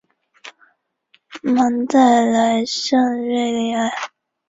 克勒施特勒是奥地利福拉尔贝格州布卢登茨县的一个市镇。